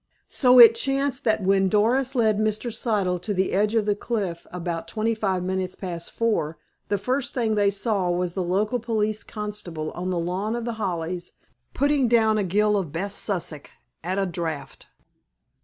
So it chanced that when Doris led Mr. Siddle to the edge of the cliff about twenty five minutes past four, the first thing they saw was the local police constable on the lawn of The Hollies putting down a gill of "best Sussex" at a draught.